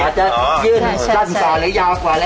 อาจจะยืดตั้งสำทัดยาวกว่าแล้ว